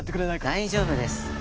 大丈夫です。